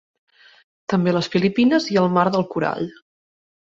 També a les Filipines i al Mar del Corall.